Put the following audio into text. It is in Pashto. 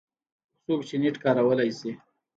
څوک چې نېټ کارولی شي